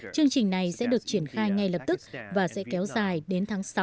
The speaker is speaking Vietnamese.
chương trình này sẽ được triển khai ngay lập tức và sẽ kéo dài đến tháng sáu năm hai nghìn một mươi bảy